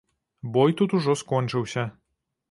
Бой тут ужо скончыўся.